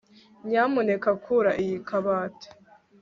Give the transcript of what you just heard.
Nyamuneka kura iyi kabati